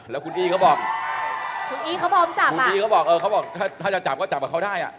แล้วคุณอีเขาบอกถ้าจะจับก็จับกับเขาได้